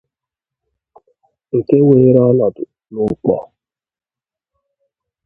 nke weere ọnọdụ n'Ukpor